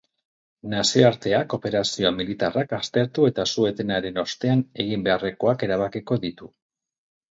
Nazioarteak operazio militarrak aztertu eta su-etenaren ostean egin beharrekoak erabakiko ditu.